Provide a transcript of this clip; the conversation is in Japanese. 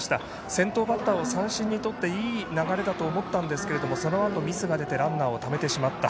先頭バッターを三振に取っていい流れだと思ったんですがそのあと、ミスが出てランナーをためてしまった。